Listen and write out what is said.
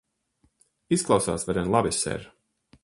Izklausās varen labi, ser.